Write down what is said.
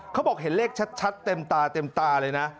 เขาบอกเห็นเลขชัดเต็มตาเต็มตาเลยนะ